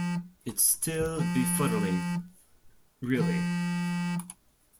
It's still befuddling, really.